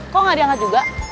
kok gak diangkat juga